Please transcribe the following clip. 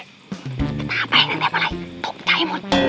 ตาแป้งทำอะไรตุกใจเหรอ